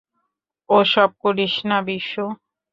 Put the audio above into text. ওসব করিস না, বিশু।